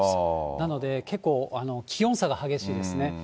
なので結構、気温差が激しいですね。